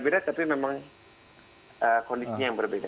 beda tapi memang kondisinya yang berbeda